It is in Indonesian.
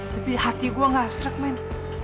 tapi hati gua gak seret men